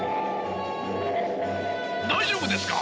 大丈夫ですか？